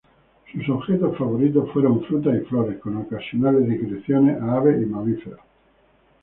Sus objetos favoritos fueron frutas y flores, con ocasionales digresiones a aves y mamíferos.